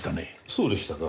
そうでしたか？